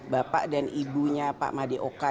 bapak dan ibunya pak madeoka